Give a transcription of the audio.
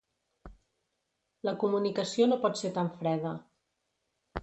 La comunicació no pot ser tan freda.